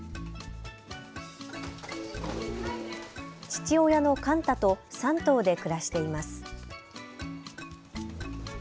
父親のカンタと３頭で暮らしています。